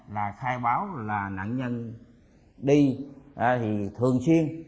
là khai báo là nạn nhân đi thì thường xuyên